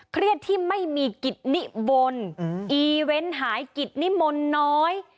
เครียดที่ไม่มีกิจนิมนต์อีเวนต์หายกิจนิมนต์น้อย